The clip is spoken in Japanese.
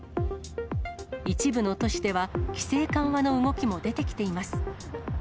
一部の都市では、規制緩和の動きも出てきています。